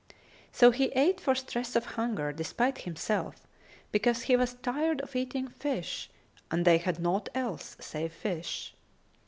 So he ate for stress of hunger, despite himself; because he was tired of eating fish and they had naught else save fish.